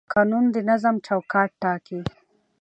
قانون د نظم چوکاټ ټاکي